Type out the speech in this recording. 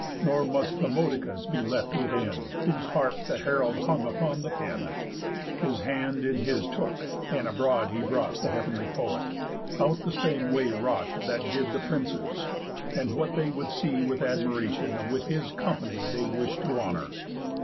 Nor must Demodocus be left within; Whose harp the herald hung upon the pin, His hand in his took, and abroad he brought The heav'nly poet, out the same way wrought That did the princes, and what they would see With admiration, with his company They wish'd to honour.